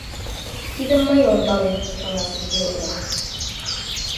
— Тидым мый ом пале, — каласыш географ.